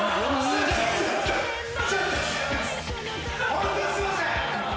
ホントにすいません。